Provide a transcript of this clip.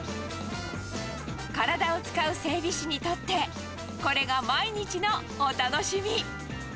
体を使う整備士にとって、これが毎日のお楽しみ。